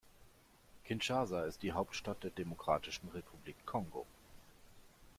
Kinshasa ist die Hauptstadt der Demokratischen Republik Kongo.